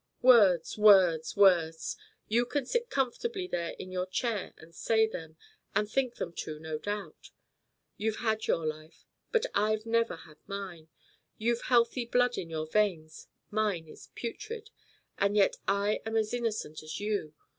"Words, words, words! You can sit comfortably there in your chair and say them and think them too, no doubt. You've had your life, but I've never had mine. You've healthy blood in your veins; mine is putrid. And yet I am as innocent as you.